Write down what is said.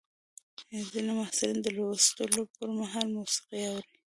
ځینې محصلین د لوستلو پر مهال موسیقي اوري.